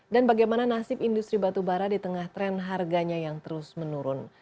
dan bagaimana nasib industri batubara di tengah tren harganya yang terus menurun